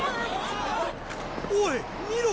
おい見ろ！